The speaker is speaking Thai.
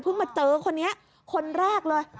เพิ่งมาเจอคนนี้คนแรกเลย